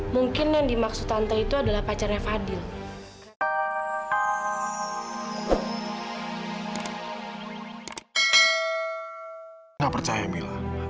mungkin yang dimaksud tante adalah